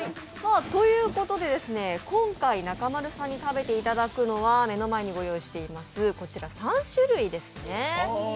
今回中丸さんに食べていただくのは、目の前に御用意しています、こちら３種類ですね。